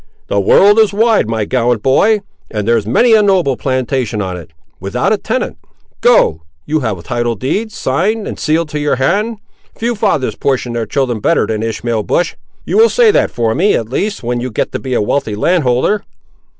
"The world is wide, my gallant boy, and there's many a noble plantation on it, without a tenant. Go; you have title deeds signed and sealed to your hand. Few fathers portion their children better than Ishmael Bush; you will say that for me, at least, when you get to be a wealthy landholder."